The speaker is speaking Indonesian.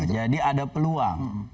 jadi ada peluang